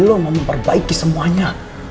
lo mau memperbaiki semuanya